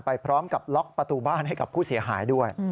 พร้อมกับล็อกประตูบ้านให้กับผู้เสียหายด้วย